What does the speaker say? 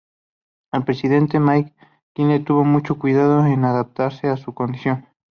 El presidente McKinley tuvo mucho cuidado en adaptarse a su condición.